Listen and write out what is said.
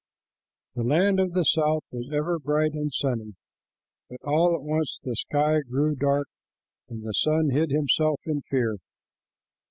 The land of the south was ever bright and sunny, but all at once the sky grew dark, and the sun hid himself in fear.